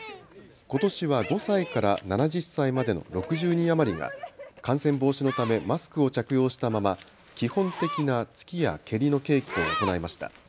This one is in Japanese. ことしは５歳から７０歳までの６０人余りが感染防止のためマスクを着用したまま基本的な突きや蹴りの稽古を行いました。